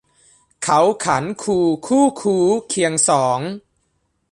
เขาขันคูคู่คู้ เคียงสอง